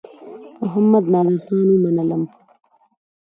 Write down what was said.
محمدنادرخان ومنلم.